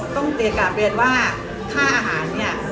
ต้องเศรียร์การรับเรียนว่า